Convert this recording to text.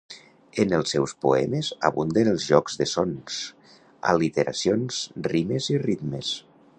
En els seus poemes abunden els jocs de sons, al·literacions, rimes i ritmes.